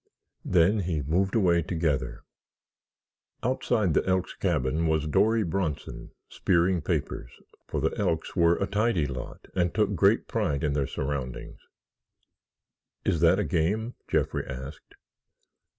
Then he moved away together. Outside the Elks' cabin was Dory Bronson, spearing papers, for the Elks were a tidy lot and took great pride in their surroundings. "Is that a game?" Jeffrey asked.